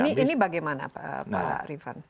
ini bagaimana pak rifan